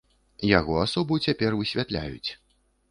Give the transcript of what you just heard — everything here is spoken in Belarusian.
Яго асобу цяпер высвятляюць.